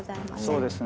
そうですね。